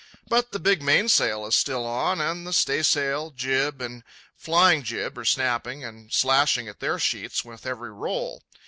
But the big mainsail is still on, and the staysail, jib, and flying jib are snapping and slashing at their sheets with every roll.